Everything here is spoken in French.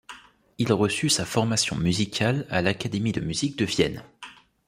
Il reçut sa formation musicale à l’Académie de musique de Vienne.